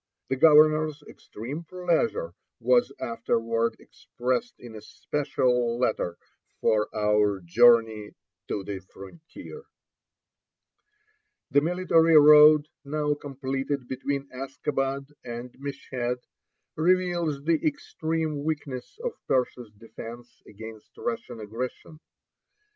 The governors extreme pleasure was afterward expressed in a special letter for our journey to the frontier. WATCH TOWER ON THE TRANSCASPIAN RAILWAY. The military road now completed between Askabad and Meshed reveals the extreme weakness of Persia's defense against Russian aggression.